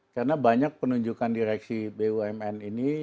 karena banyak penunjukan direksi bumn ini